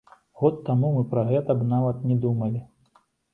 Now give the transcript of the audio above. Год таму мы пра гэта б нават і не думалі.